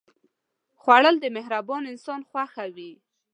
خوړل د مهربان انسان خوښه وي